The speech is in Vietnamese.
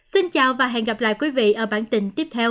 xin chào và hẹn gặp lại quý vị ở bản tin tiếp theo